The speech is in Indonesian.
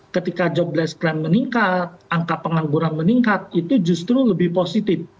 ketika job deskrim meningkat angka pengangguran meningkat itu justru lebih positif